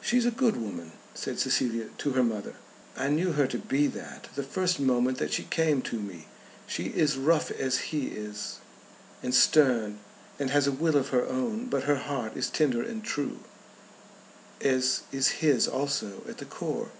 "She's a good woman," said Cecilia to her mother. "I knew her to be that the first moment that she came to me. She is rough as he is, and stern, and has a will of her own. But her heart is tender and true; as is his also at the core."